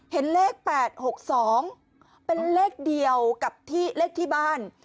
เห็นเลข๘๖๒เป็นเลขเดียวกับที่เลขที่บ้าน